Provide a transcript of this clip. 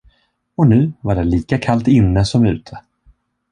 Och nu var där lika kallt inne som ute.